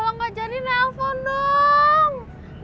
kalo engga jadi nelpon dong